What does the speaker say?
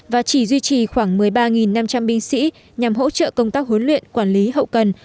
và chỉ duy trì khoảng một mươi ba năm trăm linh binh sĩ nhằm hỗ trợ công tác huấn luyện quản lý hậu cần